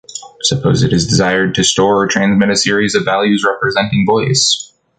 Suppose it is desired to store or transmit a series of values representing voice.